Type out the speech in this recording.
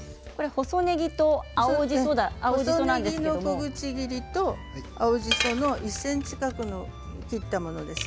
細ねぎの小口切りと青じそ１ｃｍ角に切ったものです。